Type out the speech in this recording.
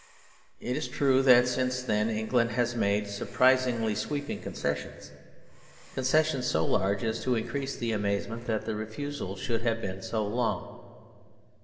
It is true that since then England has made surprisingly sweeping concessions; concessions so large as to increase the amazement that the refusal should have been so long.